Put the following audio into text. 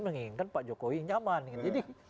menginginkan pak jokowi nyaman jadi